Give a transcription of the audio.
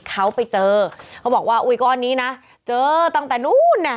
เขาไปเจอเขาบอกว่าอุ้ยก้อนนี้นะเจอตั้งแต่นู้นน่ะ